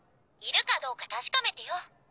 いるかどうか確かめてよ。